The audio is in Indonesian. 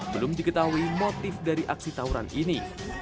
belum diketahui motif dari aksi tawuran ini